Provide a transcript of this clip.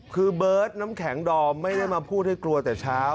คือเบิร์ตน้ำแข็งดอมไม่ได้มาพูดให้กลัวแต่เช้า